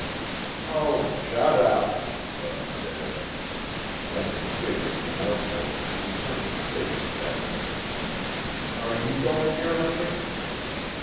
"Oh shut up!" Bud said. Then, feeling remorseful, he turned to face Get. "Are you going deer hunting?"